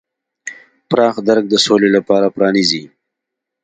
پراخ درک د سولې لاره پرانیزي.